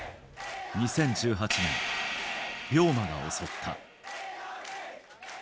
２０１８年、病魔が襲った。